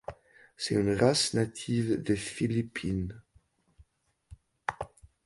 C'est une race native des Philippines.